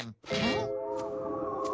ん？